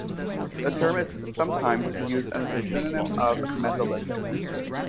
The term is sometimes used as a synonym of "Mesolithic".